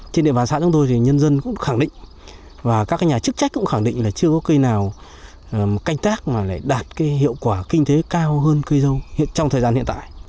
trên địa bàn xã chúng tôi thì nhân dân cũng khẳng định và các nhà chức trách cũng khẳng định là chưa có cây nào canh tác mà lại đạt hiệu quả kinh tế cao hơn cây dâu hiện trong thời gian hiện tại